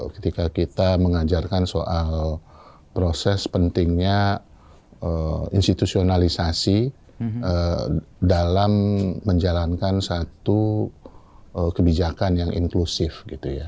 ketika kita mengajarkan soal proses pentingnya institusionalisasi dalam menjalankan satu kebijakan yang inklusif gitu ya